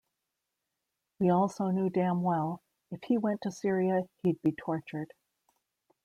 We also knew damn well, if he went to Syria, he'd be tortured.